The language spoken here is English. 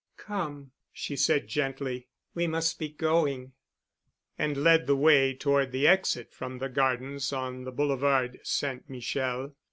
"Come," she said gently, "we must be going," and led the way toward the exit from the Gardens on the Boulevard St. Michel.